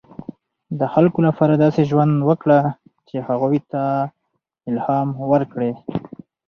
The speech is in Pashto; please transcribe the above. • د خلکو لپاره داسې ژوند وکړه، چې هغوی ته الهام ورکړې.